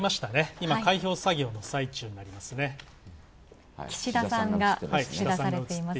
今、開票作業の最中になります。